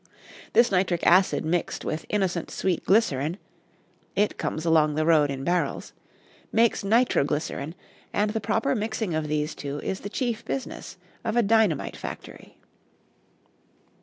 This nitric acid mixed with innocent sweet glycerin (it comes along the road in barrels) makes nitroglycerin, and the proper mixing of these two is the chief business of a dynamite factory.